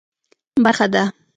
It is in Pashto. برخه ده.